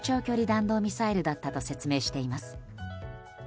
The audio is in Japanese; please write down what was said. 弾道ミサイルだったと説明しています。